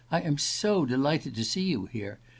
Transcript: I am so delighted to see you here.